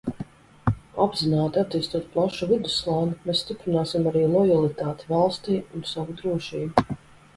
Apzināti attīstot plašu vidusslāni, mēs stiprināsim arī lojalitāti valstij un savu drošību.